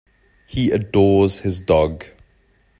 He adores his dog